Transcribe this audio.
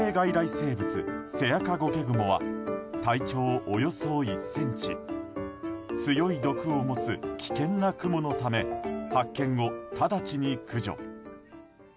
生物、セアカゴケグモは体長およそ１ｃｍ強い毒を持つ危険なクモのため発見後、直ちに駆除。